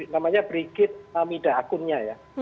namanya brigit mida akunnya ya